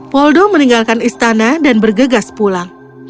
poldo meninggalkan istana dan bergegas pulang